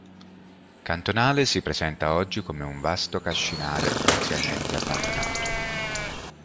Cantonale si presenta oggi come un vasto cascinale, parzialmente abbandonato.